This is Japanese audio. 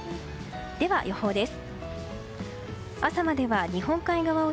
では、予報です。